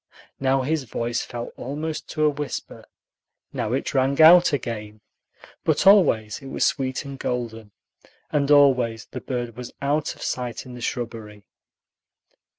Now his voice fell almost to a whisper, now it rang out again; but always it was sweet and golden, and always the bird was out of sight in the shrubbery.